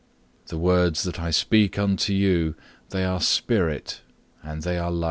The words that I speak unto you, they are spirit, and they are life.